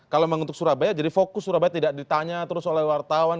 kalau memang untuk surabaya jadi fokus surabaya tidak ditanya terus oleh wartawan